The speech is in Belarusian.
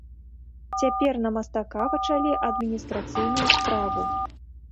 Цяпер на мастака пачалі адміністрацыйную справу.